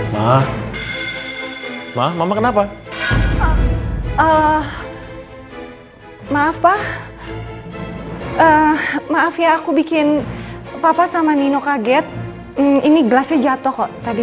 ma ma ma ma kenapa ah maaf pak maaf ya aku bikin papa sama nino kaget ini gelasnya jatuh kok tadi